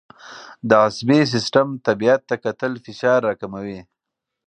د عصبي سیستم طبیعت ته کتل فشار راکموي.